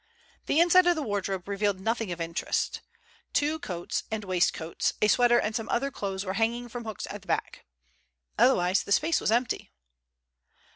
The inside of the wardrobe revealed nothing of interest. Two coats and waistcoats, a sweater, and some other clothes were hanging from hooks at the back. Otherwise the space was empty.